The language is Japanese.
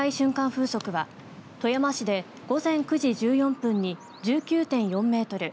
風速は富山市で午前９時１４分に１９．４メートル